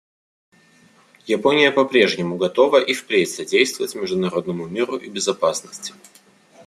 Япония по-прежнему готова и впредь содействовать международному миру и безопасности.